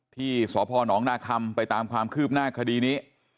ที่สอบพ่อน้องหน้าคำไปตามความคืบหน้าคดีนี้